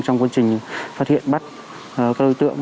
trong quá trình phát hiện bắt các đối tượng